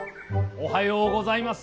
おはようございます。